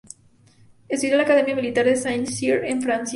Estudió en la Academia Militar de Saint-Cyr, en Francia.